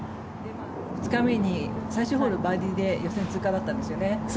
２日目に最終ホールバーディーで予選通過だったんですよね。